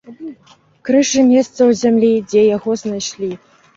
Крыж і месца ў зямлі, дзе яго знайшлі.